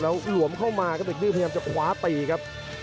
แล้วหลวมเข้ามาครับเด็กดื้อพยายามจะคว้าตีครับ